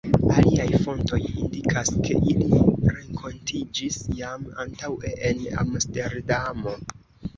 Aliaj fontoj indikas, ke ili renkontiĝis jam antaŭe en Amsterdamo.